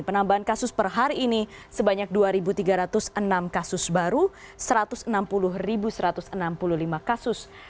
penambahan kasus per hari ini sebanyak dua tiga ratus enam kasus baru satu ratus enam puluh satu ratus enam puluh lima kasus